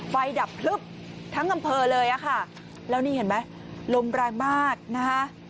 ไฟดับทั้งอำเภอเลยอะค่ะแล้วนี่เห็นไหมลมรายมากนะฮะ